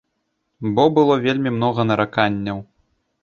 Бо было вельмі многа нараканняў.